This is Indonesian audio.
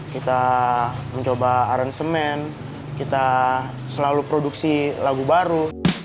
kita mencoba aren semen kita selalu produksi lagu baru